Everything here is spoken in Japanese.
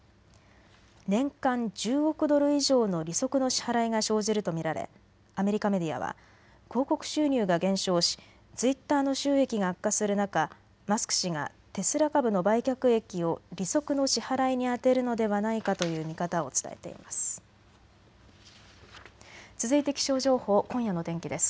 年間１０億ドル以上の利息の支払いが生じると見られアメリカメディアは広告収入が減少しツイッターの収益が悪化する中、マスク氏がテスラ株の売却益を利息の支払いに充てるのではないかという見方を伝えています。